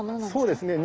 そうですね。